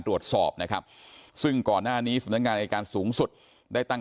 ตรวจสอบนะครับซึ่งก่อนหน้านี้สำนักงานอายการสูงสุดได้ตั้ง